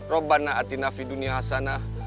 rabbana atina fidunya hasanah